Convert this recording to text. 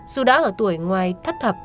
dù đã ở tuổi ngoài thất thập